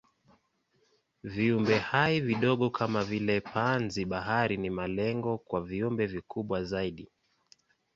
Viumbehai vidogo kama vile panzi-bahari ni malengo kwa viumbe vikubwa zaidi.